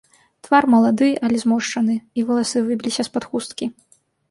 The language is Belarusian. Твар малады, але зморшчаны, і валасы выбіліся з-пад хусткі.